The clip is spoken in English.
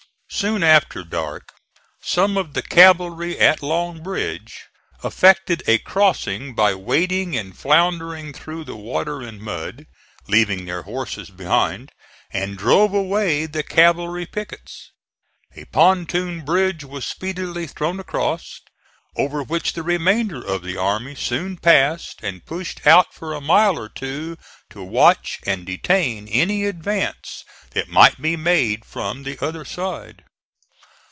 Soon after dark some of the cavalry at Long Bridge effected a crossing by wading and floundering through the water and mud, leaving their horses behind, and drove away the cavalry pickets. A pontoon bridge was speedily thrown across, over which the remainder of the army soon passed and pushed out for a mile or two to watch and detain any advance that might be made from the other side.